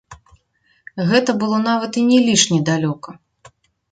Гэта было нават і не лішне далёка.